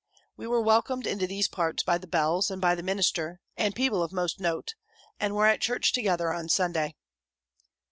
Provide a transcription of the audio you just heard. We were welcomed into these parts by the bells, and by the minister, and people of most note; and were at church together on Sunday.